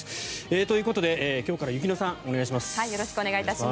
ということで、今日から雪乃さん、お願いします。